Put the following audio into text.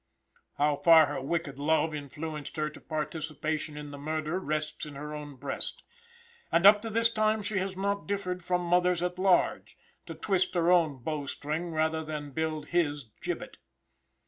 How far her wicked love influenced her to participation in the murder rests in her own breast, and up to this time she has not differed from mothers at large to twist her own bow string rather than build his gibbet.